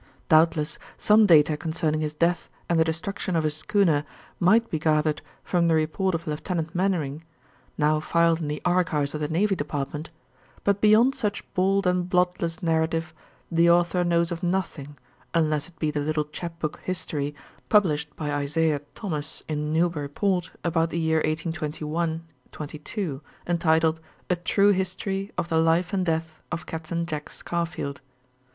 Doubtless some data concerning his death and the destruction of his schooner might be gathered from the report of Lieutenant Mainwaring, now filed in the archives of the Navy Department, but beyond such bald and bloodless narrative the author knows of nothing, unless it be the little chap book history published by Isaiah Thomas in Newburyport about the year 1821 22, entitled, "A True History of the Life and Death of Captain Jack Scarfield."